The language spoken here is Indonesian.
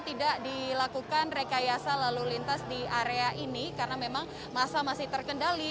tidak dilakukan rekayasa lalu lintas di area ini karena memang masa masih terkendali